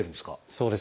そうですね。